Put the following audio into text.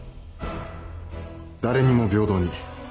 誰にも平等に。